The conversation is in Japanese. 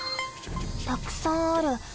たくさんある。